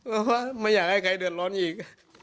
เพราะว่าไม่อยากให้ใครเดือดร้อนอีก